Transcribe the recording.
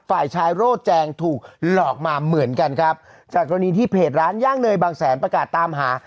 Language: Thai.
ฝ่ายชายโร่แจงถูกหลอกมาเหมือนกันครับจากกรณีที่เพจร้านย่างเนยบางแสนประกาศตามหา